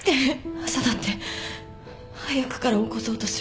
朝だって早くから起こそうとする。